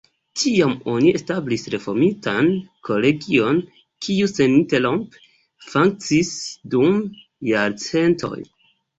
Tiam oni establis reformitan kolegion, kiu seninterrompe funkciis dum jarcentoj.